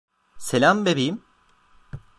Selam, bebeğim.